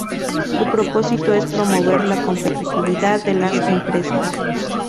Su propósito es promover la competitividad de las empresas.